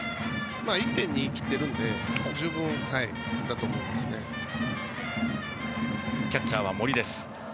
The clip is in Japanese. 一点に来ているのでキャッチャーは森です。